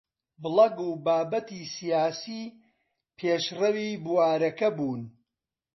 بڵاگ و بابەتی سیاسی پێشڕەوی بوارەکە بوون